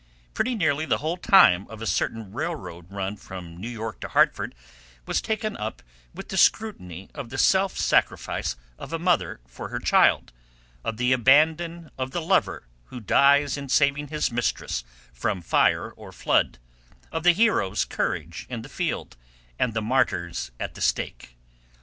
Pretty nearly the whole time of a certain railroad run from New York to Hartford was taken up with the scrutiny of the self sacrifice of a mother for her child, of the abandon of the lover who dies in saving his mistress from fire or flood, of the hero's courage in the field and the martyr's at the stake.